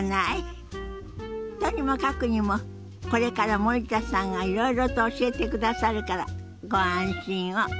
とにもかくにもこれから森田さんがいろいろと教えてくださるからご安心を。